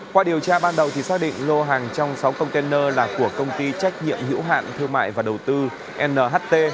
qua điều tra ban đầu thì xác định lô hàng trong sáu container là của công ty trách nhiệm hữu hạn thương mại và đầu tư nht